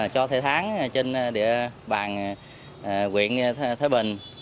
cho thể tháng trên địa bàn huyện thái bình